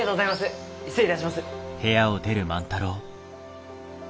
失礼いたします。